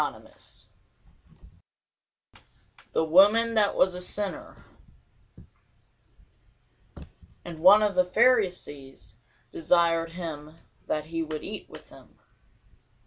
CHAPTER 23 THE WOMAN THAT WAS A SINNER AND one of the Pharisees desired him that he would eat with him.